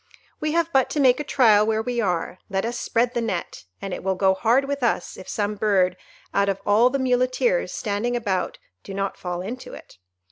We have but to make a trial where we are; let us spread the net, and it will go hard with us if some bird out of all the Muleteers standing about do not fall into it.